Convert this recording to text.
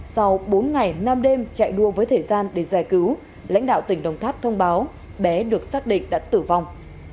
sau bốn ngày nam đêm chạy đua với thời gian để giải cứu lãnh đạo tỉnh đồng tháp thông báo bé được xác định đã tử vong